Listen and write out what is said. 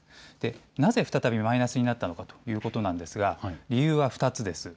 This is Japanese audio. なぜ再びマイナスになったのかということですが理由は２つです。